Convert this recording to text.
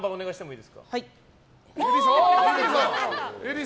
いいです！